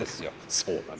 そうだね。